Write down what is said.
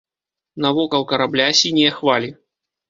Навокал карабля сінія хвалі.